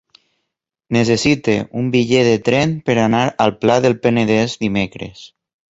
Necessito un bitllet de tren per anar al Pla del Penedès dimecres.